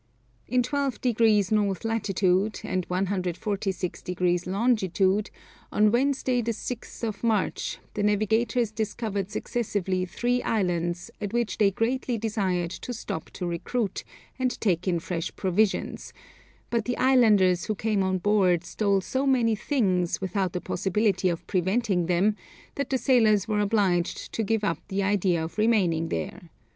In 12 degrees north latitude and 146 degrees longitude, on Wednesday the 6th of March, the navigators discovered successively three islands, at which they greatly desired to stop to recruit, and take in fresh provisions; but the islanders who came on board stole so many things, without the possibility of preventing them, that the sailors were obliged to give up the idea of remaining there.